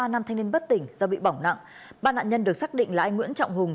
ba nam thanh niên bất tỉnh do bị bỏng nặng ba nạn nhân được xác định là anh nguyễn trọng hùng